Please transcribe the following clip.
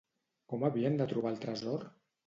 Com havien de trobar el tresor?